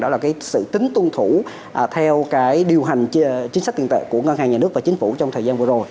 đó là cái sự tính tuân thủ theo cái điều hành chính sách tiền tệ của ngân hàng nhà nước và chính phủ trong thời gian vừa rồi